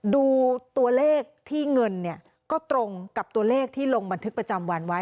ดูตัวเลขที่เงินเนี่ยก็ตรงกับตัวเลขที่ลงบันทึกประจำวันไว้